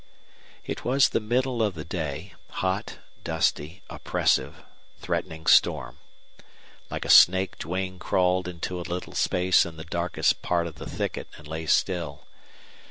It was the middle of the day, hot, dusty, oppressive, threatening storm. Like a snake Duane crawled into a little space in the darkest part of the thicket and lay still.